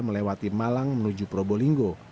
melewati malang menuju probolinggo